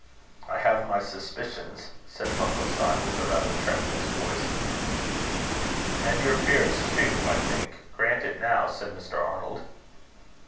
"I have my suspicions," said Funkelstein, with a rather tremulous voice. "And your fears too, I think. Grant it now," said Mr. Arnold.